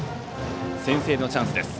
先制のチャンスです。